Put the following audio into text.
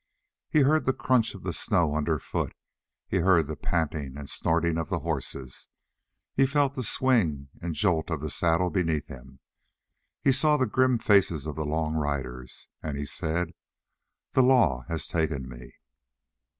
He heard the crunch of the snow underfoot; he heard the panting and snorting of the horses; he felt the swing and jolt of the saddle beneath him; he saw the grim faces of the long riders, and he said: "The law has taken me."